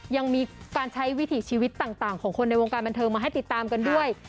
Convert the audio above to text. ยังมีการใช้วิถีชีวิตต่างของคนในวงการบันเทิงมาให้ติดตามกันด้วย